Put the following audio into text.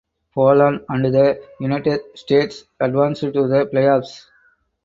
Poland and the United States advanced to the playoffs.